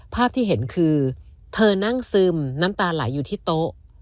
ภาพที่เห็นคือเธอนั่งซึมน้ำตาไหลอยู่ที่โต๊ะ